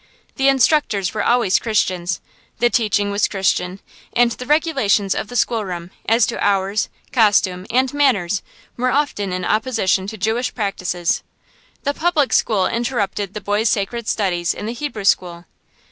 The instructors were always Christians, the teaching was Christian, and the regulations of the schoolroom, as to hours, costume, and manners, were often in opposition to Jewish practices. The public school interrupted the boy's sacred studies in the Hebrew school.